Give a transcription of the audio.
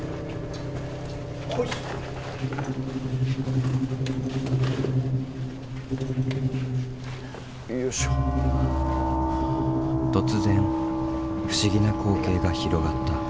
突然不思議な光景が広がった。